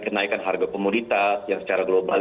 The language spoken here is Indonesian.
kenaikan harga komoditas yang secara global